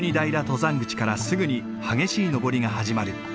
山口からすぐに激しい登りが始まる。